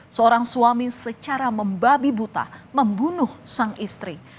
seorang suami secara membabi buta membunuh sang istri